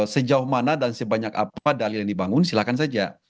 sejauh mana dan sebanyak apa dalil yang dibangun silakan saja